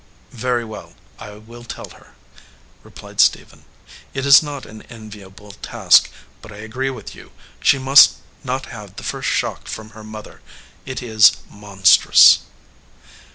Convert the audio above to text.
"Very well, I will tell her," replied Stephen. "It is not an enviable task, but I agree with you. She must not have the first shock from her mother. It is monstrous."